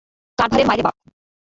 কার্ভারের মায়রে বাপ।